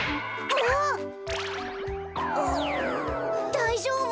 だいじょうぶ？